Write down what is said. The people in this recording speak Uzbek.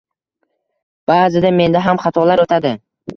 Baʼzida menda ham xatolar oʻtadi.